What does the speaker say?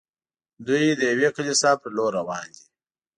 دوی د یوې کلیسا پر لور روان دي.